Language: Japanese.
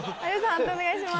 判定お願いします。